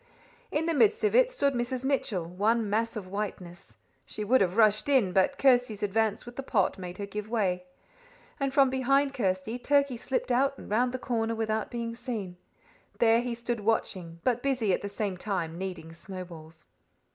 In the midst of it stood Mrs. Mitchell, one mass of whiteness. She would have rushed in, but Kirsty's advance with the pot made her give way, and from behind Kirsty Turkey slipped out and round the corner without being seen. There he stood watching, but busy at the same time kneading snowballs.